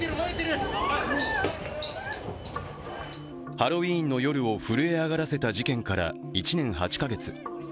ハロウィーンの夜を震え上がらせた事件から１年８か月。